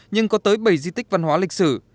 nhưng có tới bảy di tích văn hóa lịch sử